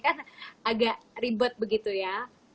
agak ribet begitu ya